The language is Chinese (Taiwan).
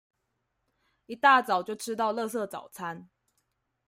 一大早就吃到垃圾早餐